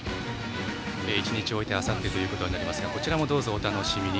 １日空いてあさってとなりますがこちらもどうぞお楽しみに。